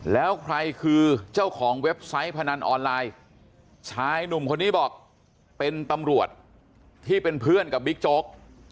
แล้วใครคือเจ้าของเว็บไซต์พนันออนไลน์ชายหนุ่มคนนี้บอกเป็นตำรวจที่เป็นเพื่อนกับบิ๊กโจ๊ก